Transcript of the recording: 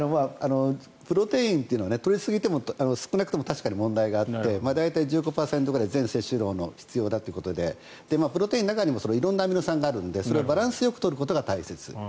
プロテインというのは取りすぎても少なくても確かに問題があって大体１５％ぐらい全摂取量で必要だということでプロテインの中にも色んなアミノ酸があるのでバランスよく取ることが大切。